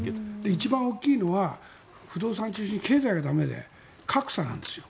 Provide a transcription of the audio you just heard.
一番大きいのは不動産中心に経済が駄目で格差なんですよ。